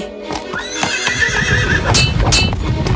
kaga ikut atau menimbulkan alih alih punca